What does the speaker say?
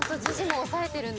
押さえてるんだ。